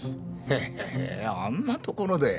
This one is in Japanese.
へえあんなところで。